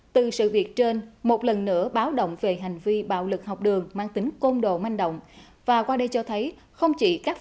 từ sự việc trên một lần nữa báo động về hành vi bạo lực học đường mang tính côn đồ manh động